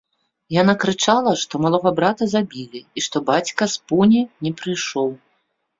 Яна крычала, што малога брата забілі і што бацька з пуні не прыйшоў.